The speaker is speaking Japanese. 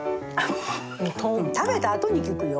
食べたあとに効くよ。